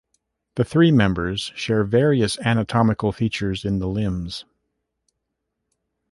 The three members share various anatomical features in the limbs.